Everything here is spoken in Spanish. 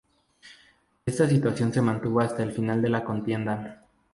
Esta situación se mantuvo hasta el final de la contienda.